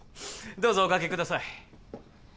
どうぞおかけください